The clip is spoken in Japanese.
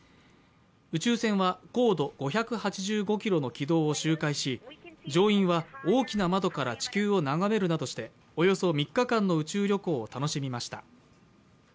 宇宙船は高度５８５ｋｍの軌道を周回し、乗員は大きな窓から地球を眺めるなどしておよそ３日間の宇宙旅行を楽しみました。